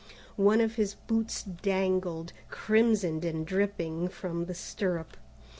One of his boots dangled, crimsoned and dripping, from the stirrup.